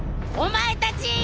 お前たち！